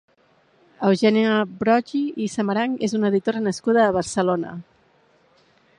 Eugènia Broggi i Samaranch és una editora nascuda a Barcelona.